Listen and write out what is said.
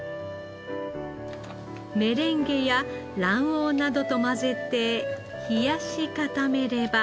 メレンゲや卵黄などと混ぜて冷やし固めれば。